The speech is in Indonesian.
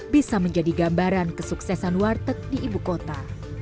bisa menjadi gambaran kesuksesan warteg di ibu kota